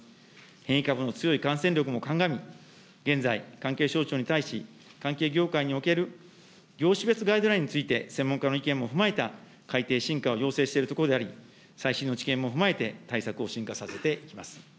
変異株の強い感染力もかんがみ、現在、関係省庁に対し、関係業界における業種別ガイドラインについて、専門家の意見も踏まえた改訂、深化を要請しているところであり、最新の知見も踏まえて、対策を進化させていきます。